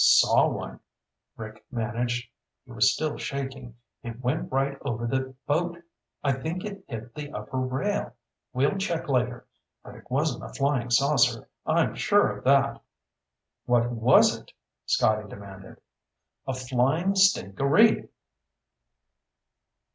"Saw one," Rick managed. He was still shaking. "It went right over the boat. I think it hit the upper rail. We'll check later. But it wasn't a flying saucer. I'm sure of that." "What was it?" Scotty demanded. "A flying stingaree!"